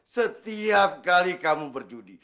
setiap kali kamu berjudi